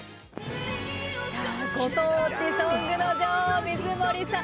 ご当地ソングの女王、水森さん。